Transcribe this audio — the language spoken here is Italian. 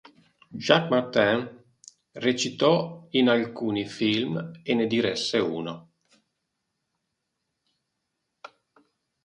Jacques Martin recitò in alcuni film e ne diresse uno!